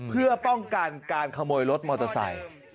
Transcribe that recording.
เพื่อป้องกันการขโมยรถมอเตอร์ไซค์